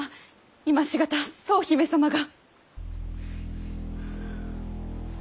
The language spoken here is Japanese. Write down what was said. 今し方総姫様が。